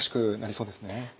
そうですね。